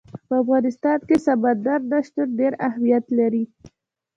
په افغانستان کې سمندر نه شتون ډېر اهمیت لري.